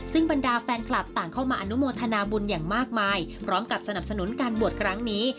ซึ่งบรรดาแฟนคลับต่างเข้ามาอนุโมทนาบุญอย่างมากมายพร้อมกับสนับสนุนการบวชครั้งนี้